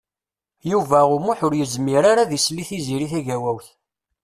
Yuba U Muḥ ur yezmir ara ad isell i Tiziri Tagawawt.